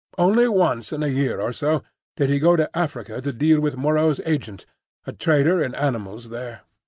Only once in a year or so did he go to Arica to deal with Moreau's agent, a trader in animals there.